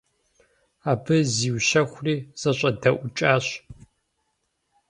Абы зиущэхури зэщӀэдэӀукӀащ.